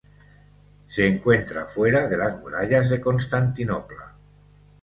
Se encuentra fuera de las Murallas de Constantinopla.